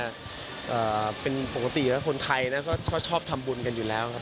เอ่อเป็นปกตินะคนไทยนะก็ชอบทำบุญกันอยู่แล้วครับ